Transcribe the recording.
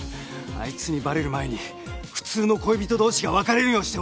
あいつにバレる前に普通の恋人同士が別れるようにして別れろ。